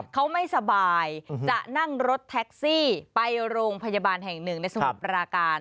เขาไม่สบายจะนั่งรถแท็กซี่ไปโรงพยาบาลแห่งหนึ่งในสมุทรปราการ